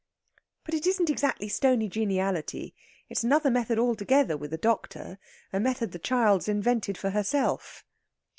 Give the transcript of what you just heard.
"But it isn't exactly stony geniality. It's another method altogether with the doctor a method the child's invented for herself."